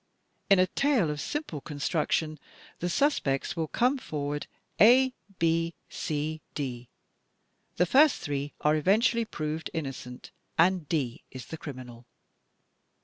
In a tale of simple construction, the suspects will come forward, a, b, c, d. The first three are eventually proved innocent and D is the criminal.